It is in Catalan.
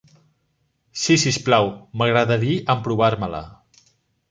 Sí, si us plau, m'agradari emprovar-me-la.